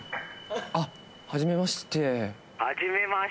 あっはじめまして。